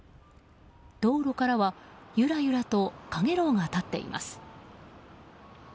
道路からは、ゆらゆらとかげろうが立っています。